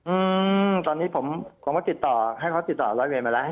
อืมตอนนี้ผมผมก็ติดต่อให้เขาติดต่อร้อยเวรมาแล้ว